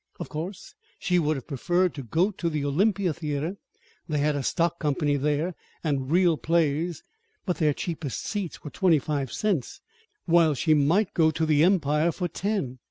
Of course she would have preferred to go to the Olympia Theater. They had a stock company there, and real plays. But their cheapest seats were twenty five cents, while she might go to the Empire for ten.